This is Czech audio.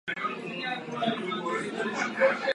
Vznikají tedy jeho četné modifikace.